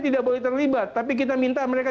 tidak boleh terlibat tapi kita minta mereka